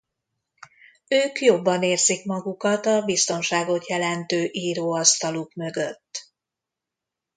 Ők jobban érzik magukat a biztonságot jelentő íróasztaluk mögött.